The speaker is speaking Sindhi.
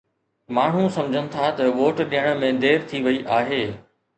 ماڻهو سمجهن ٿا ته ووٽ ڏيڻ ۾ دير ٿي وئي آهي.